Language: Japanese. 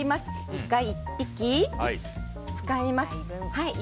イカ１匹、使います。